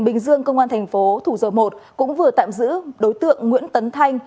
bình dương công an thành phố thủ dầu một cũng vừa tạm giữ đối tượng nguyễn tấn thanh